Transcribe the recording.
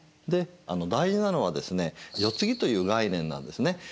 で大事なのはですね世継ぎという概念なんですね。